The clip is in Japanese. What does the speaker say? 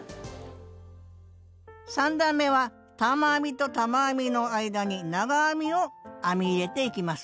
３段めは玉編みと玉編みの間に長編みを編み入れていきます。